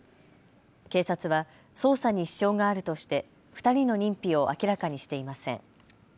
警察は捜査に支障があるとして２人の認否を明らかにしていません。